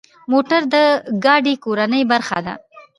موټر د ګاډو کورنۍ برخه ده.